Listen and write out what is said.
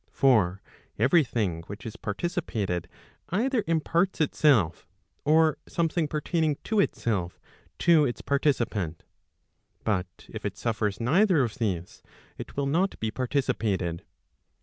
For every thing which is participated, either imparts itself, or something pertaining to itself to its participant. But if it suffers neither of these, it will not be participated.